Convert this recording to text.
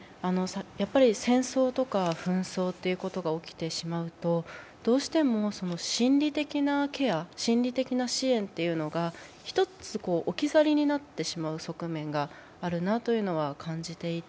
戦争とか紛争ということが起きてしまうとどうしても心理的なケア、心理的な支援というのが置き去りになってしまう側面があるなと感じていて、